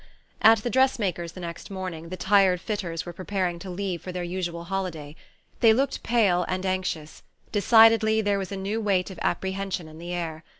At the dressmaker's, the next morning, the tired fitters were preparing to leave for their usual holiday. They looked pale and anxious decidedly, there was a new weight of apprehension in the air.